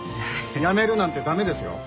やめるなんて駄目ですよ。